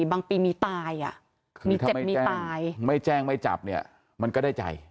บางปีมีตายอ่ะมีเจ็บมีตายไม่แจ้งไม่จับเนี่ยมันก็ได้ใจ